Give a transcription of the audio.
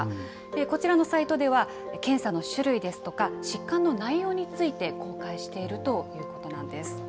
こちらのサイトでは、検査の種類ですとか、疾患の内容について公開しているということなんです。